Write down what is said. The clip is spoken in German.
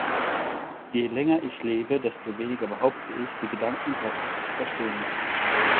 Je länger ich lebe, desto weniger behaupte ich, die Gedanken Gottes zu verstehen.